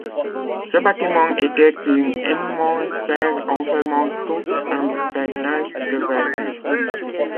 Ce bâtiment était une immense serre enfermant tout un paysage de verdure.